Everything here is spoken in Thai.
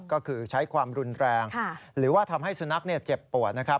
ก็คือใช้ความรุนแรงหรือว่าทำให้สุนัขเจ็บปวดนะครับ